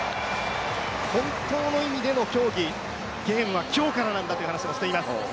本当の意味での競技、ゲームは今日からなんだという話もしています。